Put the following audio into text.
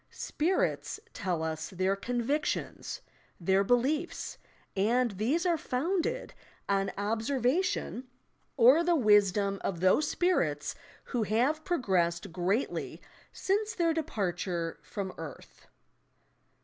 "Spirits" tell us their convictions, their beliefs, and these are founded on observation, or the wisdom of those spirits who have progressed greatly since their departure from earth.